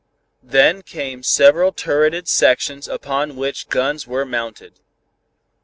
Then came several turreted sections upon which guns were mounted.